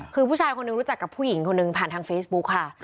คือผู้ชายคนหนึ่งรู้จักกับผู้หญิงคนหนึ่งผ่านทางเฟซบุ๊คค่ะ